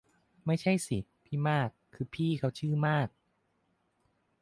ไม่ใช่สิ พี่มาก คือพี่เค้าชื่อมาก